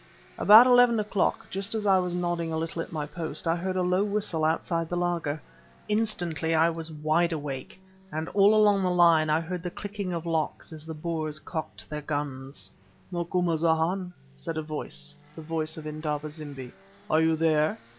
About eleven o'clock, just as I was nodding a little at my post, I heard a low whistle outside the laager. Instantly I was wide awake, and all along the line I heard the clicking of locks as the Boers cocked their guns. "Macumazahn," said a voice, the voice of Indaba zimbi, "are you there?"